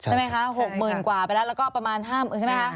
ใช่ไหมคะหกหมื่นกว่าไปแล้วก็ประมาณห้าหมื่นใช่ไหมครับ